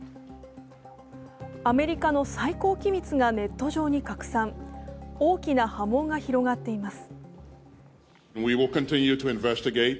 アメリカの最高機密がネット上に拡散、大きな波紋が広がっています。